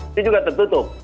itu juga tertutup